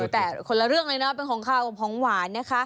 แต่คนละเรื่องเลยเป็นของข้าวพร้อมของหวาน